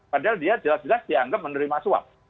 padahal dia jelas jelas dianggap menerima suap